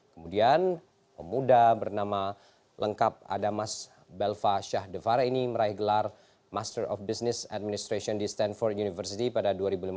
kemudian pemuda bernama lengkap adamas balfa shah devara ini meraih gelar master of business administration di stanford university pada dua ribu lima belas